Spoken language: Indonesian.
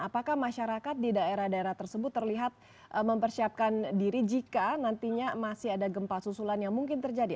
apakah masyarakat di daerah daerah tersebut terlihat mempersiapkan diri jika nantinya masih ada gempa susulan yang mungkin terjadi